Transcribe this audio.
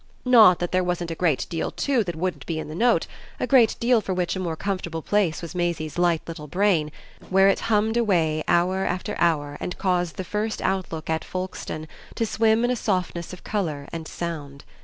Not that there wasn't a great deal too that wouldn't be in the note a great deal for which a more comfortable place was Maisie's light little brain, where it hummed away hour after hour and caused the first outlook at Folkestone to swim in a softness of colour and sound.